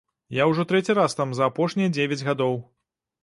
Я ўжо трэці раз там за апошнія дзевяць гадоў.